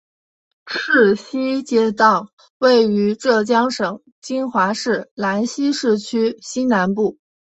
赤溪街道位于浙江省金华市兰溪市区西南部。